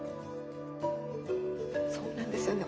そうなんですよね。